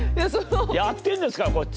やってんですからこっち。